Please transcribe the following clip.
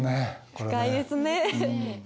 深いですね。